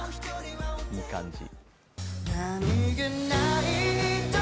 いい感じ。